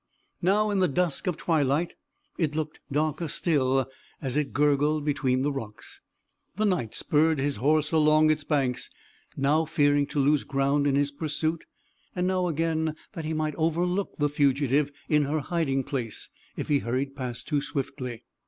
Now, in the dusk of twilight, it looked darker still as it gurgled between the rocks. The Knight spurred his horse along its banks, now fearing to lose ground in his pursuit, and now again, that he might overlook the fugitive in her hiding place, if he hurried past too swiftly.